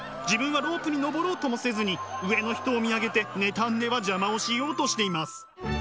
自分はロープに登ろうともせずに上の人を見上げて妬んでは邪魔をしようとしています。